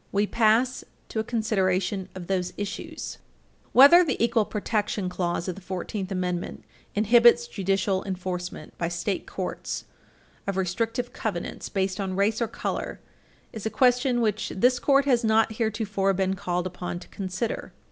We pass to a consideration of those issues. I Whether the equal protection clause of the Fourteenth Amendment inhibits judicial enforcement by state courts of restrictive covenants based on race or color is a question which this Court has not heretofore been called upon to consider.